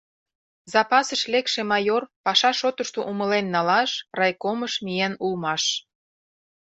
Запасыш лекше майор паша шотышто умылен налаш райкомыш миен улмаш.